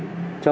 cho một bữa